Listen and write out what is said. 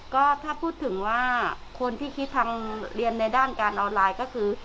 ก็ถ้าพูดถึงว่าคนที่คิดทางเรียนในด้านการออนไลน์ก็คือ